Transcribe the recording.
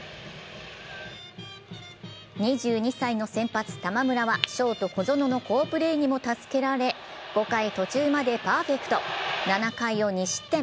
２２歳の先発・玉村はショート・小園の好プレーにも助けられ５回途中までパーフェクト７回を２失点。